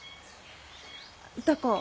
歌子